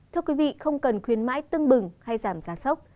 thưa quý vị không cần khuyến mãi tưng bừng hay giảm giá sốc